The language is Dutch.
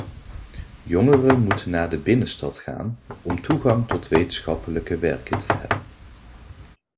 Jongeren moeten naar de binnenstad gaan om toegang tot wetenschappelijke werken te hebben.